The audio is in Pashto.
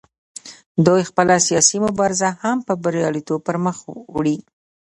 دوی خپله سیاسي مبارزه هم په بریالیتوب پر مخ وړي